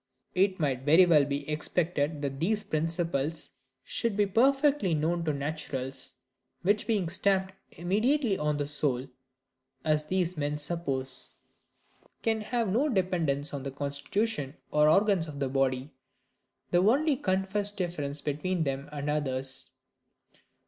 It might very well be expected that these principles should be perfectly known to naturals; which being stamped immediately on the soul, (as these men suppose,) can have no dependence on the constitution or organs of the body, the only confessed difference between them and others.